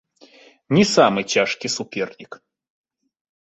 Не самы цяжкі супернік.